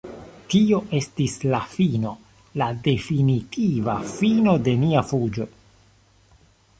Tio estis la fino, la definitiva fino de nia fuĝo.